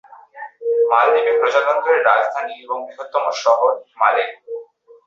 মালদ্বীপে প্রজাতন্ত্রের রাজধানী এবং বৃহত্তম শহর মালে।